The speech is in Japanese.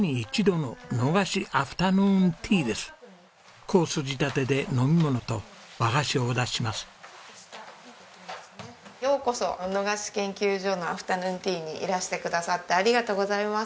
のがし研究所のアフタヌーンティーにいらしてくださってありがとうございます。